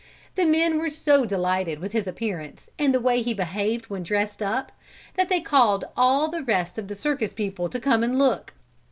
The men were so delighted with his appearance and the way he behaved when dressed up, that they called all the rest of the circus people to come and look.